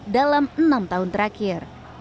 dalam enam tahun terakhir